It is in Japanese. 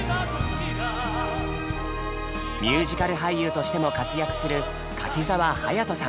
ミュージカル俳優としても活躍する柿澤勇人さん。